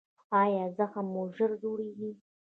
ایا زخم مو ژر جوړیږي؟